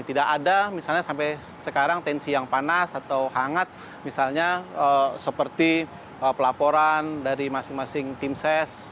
tidak ada misalnya sampai sekarang tensi yang panas atau hangat misalnya seperti pelaporan dari masing masing tim ses